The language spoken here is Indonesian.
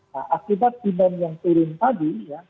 nah akibat demand yang turun tadi ya